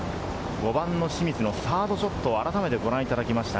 ５番の清水のサードショットを改めてご覧いただきました。